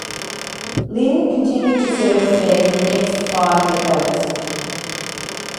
Linn continued to serve as mayor for the next five decades.